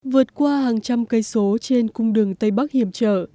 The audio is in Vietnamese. vượt qua hàng trăm cây số trên cung đường tây bắc hiểm trở